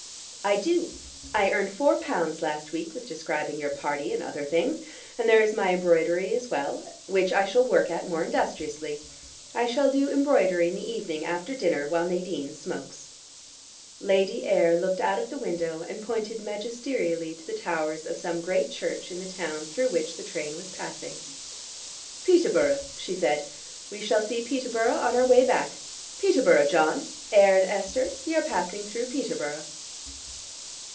"I do. I earned four pounds last week, with describing your party and other things, and there is my embroidery as well, which I shall work at more industriously. I shall do embroidery in the evening after dinner while Nadine smokes." Lady Ayr looked out of the window and pointed magisterially to the towers of some great church in the town through which the train was passing. "Peterborough," she said. "We shall see Peterborough on our way back. Peterborough, John. Ayr and Esther, we are passing through Peterborough."